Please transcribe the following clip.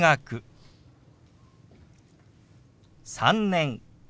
「３年」。